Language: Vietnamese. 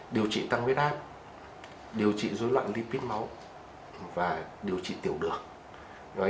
điều trị tăng vết áp điều trị dối loạn lipid máu và điều trị tiểu đường